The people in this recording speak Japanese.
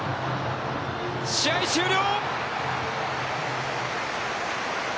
試合終了！